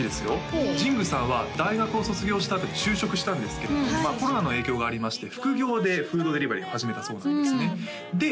ほうＪＩＮＧＵさんは大学を卒業したあとに就職したんですけどもコロナの影響がありまして副業でフードデリバリーを始めたそうなんですねで